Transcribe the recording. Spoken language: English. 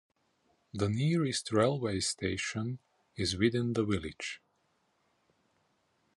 The nearest railway station is within the village.